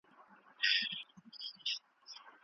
پر اسلامي احکامو اعتراض کفر دی